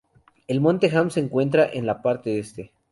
El Monte Ham es encuentra en la parte este.